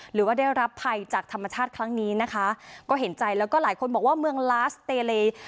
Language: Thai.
หรือว่าได้รับภัยจากธรรมชาติครั้งนี้นะคะก็เห็นใจแล้วก็หลายคนบอกว่าเมืองลาสเตเล